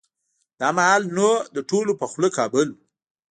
دا مهال نو د ټولو په خوله کابل و.